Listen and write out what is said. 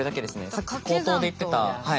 さっき口頭で言ってた。